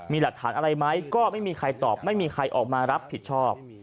มีหลักฐานอะไรไหมก็ไม่มีใครตอบไม่มีใครออกมารับผิดชอบ